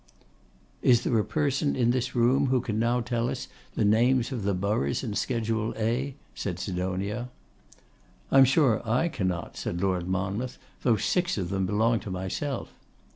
'Is there a person in this room who can now tell us the names of the boroughs in Schedule A?' said Sidonia. 'I am sure I cannot, 'said Lord Monmouth, 'though six of them belong to myself.